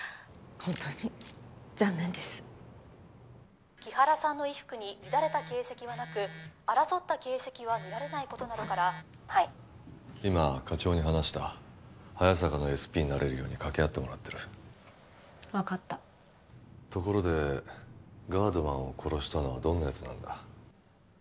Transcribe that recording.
本当に残念です木原さんの衣服に乱れた形跡はなく争った形跡は見られないこと☎はい今課長に話した早坂のＳＰになれるように掛け合ってもらってる分かったところでガードマンを殺したのはどんなやつなんだ？